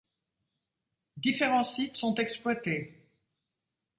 Différents sites sont exploités.